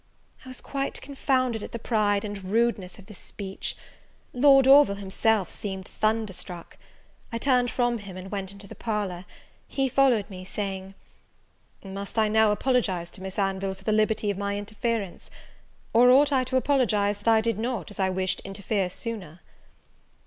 I was quite confounded at the pride and rudeness of this speech. Lord Orville himself seemed thunderstruck: I turned from him, and went into the parlour: he followed me, saying, "Must I now apologize to Miss Anville for the liberty of my interference? or ought I to apologize, that I did not, as I wished, interfere sooner?"